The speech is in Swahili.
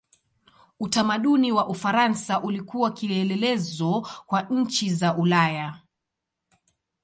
Utamaduni wa Ufaransa ulikuwa kielelezo kwa nchi za Ulaya.